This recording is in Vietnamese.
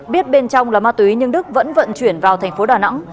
biết bên trong là ma túy nhưng đức vẫn vận chuyển vào thành phố đà nẵng